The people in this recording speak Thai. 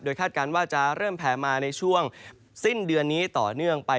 คาดการณ์ว่าจะเริ่มแผลมาในช่วงสิ้นเดือนนี้ต่อเนื่องไป